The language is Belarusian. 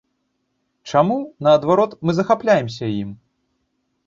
Чаму, наадварот, мы захапляемся ім?